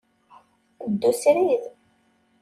Ddu srid.